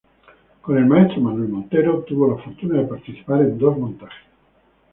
Con el maestro Manuel Montero tuvo la fortuna de participar en dos montajes.